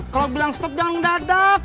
kalau bilang stop jangan dadap